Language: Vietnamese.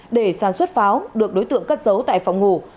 để sản xuất pháo được đối tượng cất giấu tại phòng ngủ